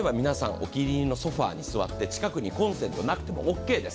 お気に入りのソファーに座って近くにコンセントなくてもオーケーです。